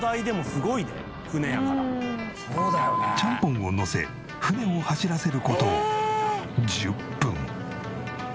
ちゃんぽんをのせ船を走らせる事１０分。